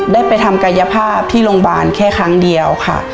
ได้ไปทำกายภาพที่โรงพยาบาลแค่ครั้งเดียวค่ะ